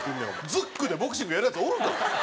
ズックでボクシングやるヤツおるか？